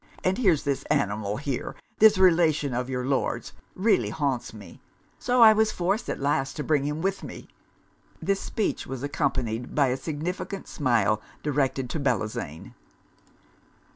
And here's this animal here, this relation of your Lord's, really haunts me; so I was forced at last to bring him with me.' This speech was accompanied by a significant smile directed to Bellozane.